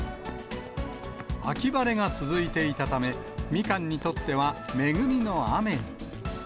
秋晴れが続いていたため、みかんにとっては恵みの雨に。